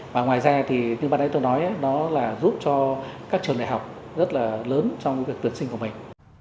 và ngoài ra thì như bạn ấy tôi nói đó là giúp cho các trường đại học rất là lớn trong việc tuyển sinh của mình